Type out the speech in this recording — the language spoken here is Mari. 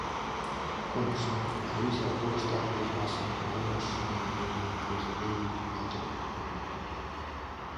Конешне, марий литератур ыштат ме массын йылмыж дене возымо произведенийым ятыр ужына.